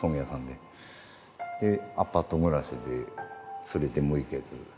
でアパート暮らしで連れても行けず。